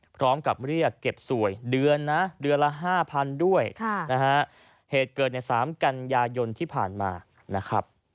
พร้อมกับเรียกเก็บสวยเดือนนะเดือนละ๕๐๐๐ด้วยนะฮะเหตุเกิดใน๓กันยายนที่ผ่านมานะครับ